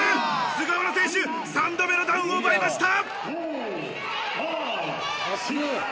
菅原選手、３度目のダウンを奪いました。